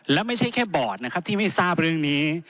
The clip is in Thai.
และไม่ใช่แค่บอร์ดนะครับที่ไม่ทราบเรื่องนี้